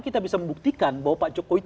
kita bisa membuktikan bahwa pak jokowi